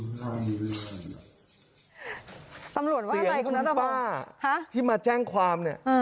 คุณตำรวจว่าอะไรคุณตำรวจค่ะที่มาแจ้งความเนี่ย